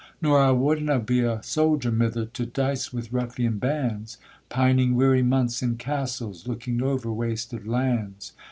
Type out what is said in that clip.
Nor I wadna be a soldier, mither, to dice wi' ruffian bands, Pining weary months in castles, looking over wasted lands.